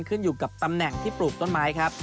ขึ้นอยู่กับตำแหน่งที่ปลูกต้นไม้ครับ